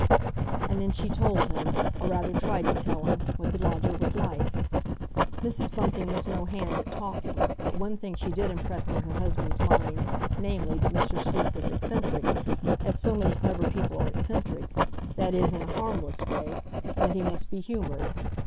And then she told him—or rather tried to tell him—what the lodger was like. Mrs. Bunting was no hand at talking, but one thing she did impress on her husband's mind, namely, that Mr. Sleuth was eccentric, as so many clever people are eccentric—that is, in a harmless way—and that he must be humoured.